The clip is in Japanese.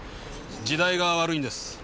時代が悪いんです。